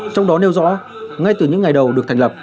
trong đó nêu rõ ngay từ những ngày đầu được thành lập